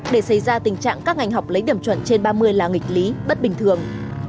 để xảy ra tình trạng các ngành học lấy điểm chuẩn trên ba mươi là nghịch lý bất bình thường